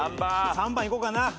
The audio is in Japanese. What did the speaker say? ３番いこうかな。